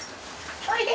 おいで！